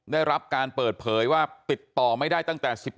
ได้รับการเปิดเผยว่าติดต่อไม่ได้ตั้งแต่๑๘